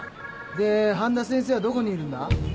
で半田先生はどこにいるんだ？